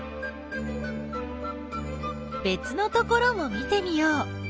べつのところも見てみよう。